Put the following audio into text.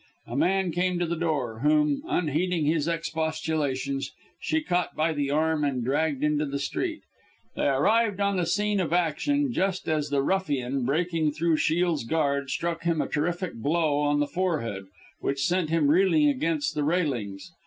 A man came to the door, whom, unheeding his expostulations, she caught by the arm and dragged into the street. They arrived on the scene of action, just as the ruffian, breaking through Shiel's guard, struck him a terrific blow on the forehead, which sent him reeling against the railings.